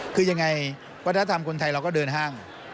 คือยังไงว่าถ้าทำคนไทยเราก็เดินห้าง